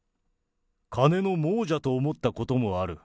金の亡者と思ったこともある。